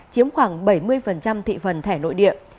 chiếm khoảng bảy mươi thị phần thẻ nội địa